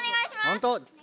ほんと？